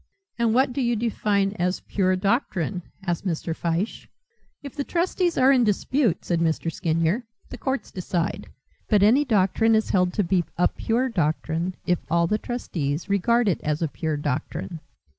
"And what do you define as pure doctrine?" asked Mr. Fyshe. "If the trustees are in dispute," said Mr. Skinyer, "the courts decide, but any doctrine is held to be a pure doctrine if all the trustees regard it as a pure doctrine."